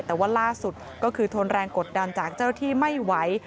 แต่ว่าล่าสุดก็คือทนแรงกดดันจากเจ้าหน้าที่ไม่ไหว